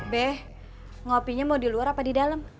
beh ngopinya mau di luar apa di dalam